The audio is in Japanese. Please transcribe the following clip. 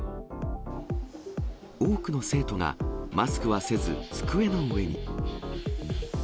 多くの生徒が、マスクはせず、机の上に。